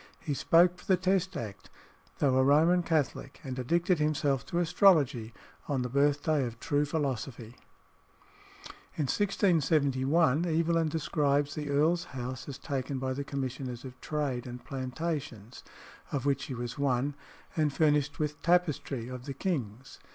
He spoke for the Test Act, though a Roman Catholic, and addicted himself to astrology on the birthday of true philosophy." In 1671 Evelyn describes the earl's house as taken by the Commissioners of Trade and Plantations, of which he was one, and furnished with tapestry "of the king's."